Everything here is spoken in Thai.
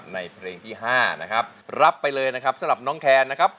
ในเพลงที่๕นะครับรับไปเลยนะครับสำหรับน้องแคนนะครับ